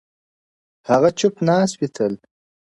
• هغه چوپ ناست وي تل,